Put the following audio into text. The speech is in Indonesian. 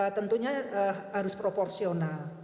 tentunya harus proporsional